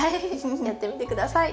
やってみて下さい。